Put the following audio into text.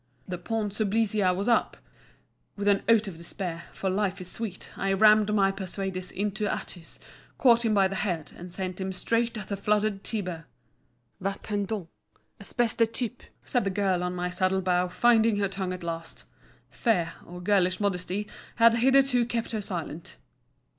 The Pons Sublicia was up! With an oath of despair, for life is sweet, I rammed my persuaders into Atys, caught him by the head, and sent him straight at the flooded Tiber! "Va t en donc, espèce de type!" said the girl on my saddle bow, finding her tongue at last. Fear, or girlish modesty, had hitherto kept her silent.